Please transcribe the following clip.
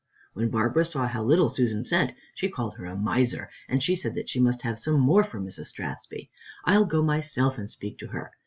When Barbara saw how little Susan sent, she called her a miser, and she said she must have some more for Mrs. Strathspey. "I'll go myself and speak to her.